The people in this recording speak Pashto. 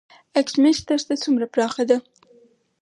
اشکمش دښته څومره پراخه ده؟